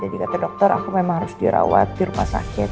jadi kata dokter aku memang harus dirawat di rumah sakit